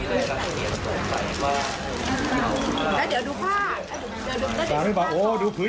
เอาใส่ด้านใดได้แล้วก็ตั๊ะเอง